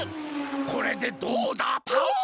これでどうだパオン！